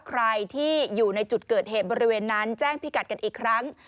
ใครที่อยู่ในจุดเกิดเหตุบริเวณนั้นแจ้งพิกัดกันอีกครั้ง